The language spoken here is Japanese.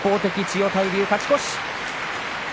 千代大龍、勝ち越し。